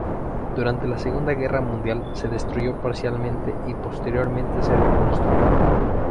Durante la Segunda Guerra Mundial se destruyó parcialmente y posteriormente se reconstruyó.